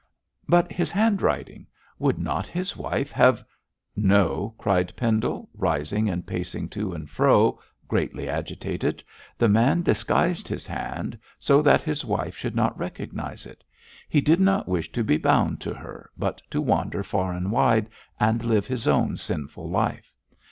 'But his handwriting; would not his wife have ' 'No!' cried Pendle, rising and pacing to and fro, greatly agitated, 'the man disguised his hand so that his wife should not recognise it. He did not wish to be bound to her, but to wander far and wide, and live his own sinful life.